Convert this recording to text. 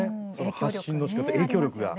発信のしかた、影響力が。